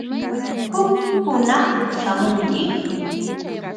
Huk hunaq shamunki.